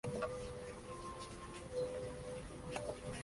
En el reverso: Lo mismo.